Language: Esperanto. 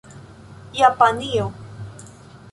japanio